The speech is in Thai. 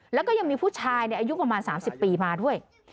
แล้วก็ยังมีผู้ชายอายุประมาณ๓๐ปีมาด้วย